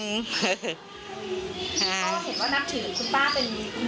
เพราะเห็นว่านับถือคุณป้าเป็นดี